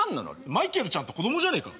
マイケルちゃんって子供じゃねえか。